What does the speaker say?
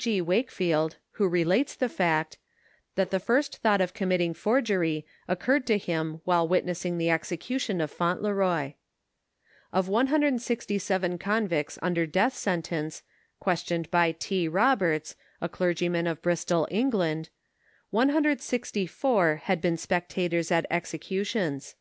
G. Wakefield, who relates the fact, that the first thought of committing forgery occurred to him while witnessing the exe cution of Fauntleroy. Of 167 convicts under death sentence, questioned by T. Roberts, a clergyman of Bristol, England, 164 had been spectators at executions.